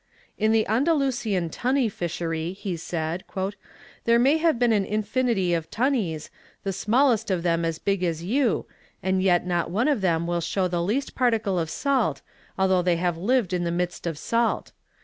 "In the Andalusian tunny fishery" he said "there may be seen an infinity of tunnies, the smallest of them as big as you, and yet not one of them will show the least particle of salt, although they have Hved in the midst of salt."